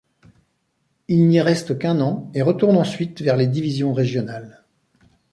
Il n'y reste qu'un an, et retourne ensuite vers les divisions régionales.